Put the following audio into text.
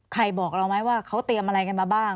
บอกเราไหมว่าเขาเตรียมอะไรกันมาบ้าง